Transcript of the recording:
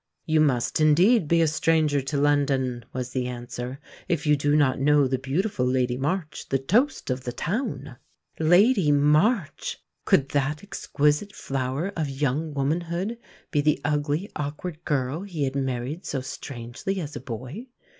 "You must indeed be a stranger to London," was the answer, "if you do not know the beautiful Lady March, the toast of the town!" Lady March! Could that exquisite flower of young womanhood be the ugly, awkward girl he had married so strangely as a boy?